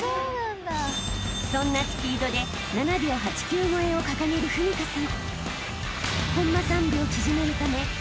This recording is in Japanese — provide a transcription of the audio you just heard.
［そんなスピードで７秒８９超えを掲げる史佳さん］